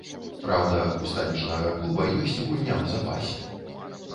Праўда, у сталічнага клуба ёсць гульня ў запасе.